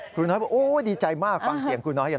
ครูน้อยบอกโอ๊ยดีใจมากฟังเสี่ยงครูน้อยเห็นไหม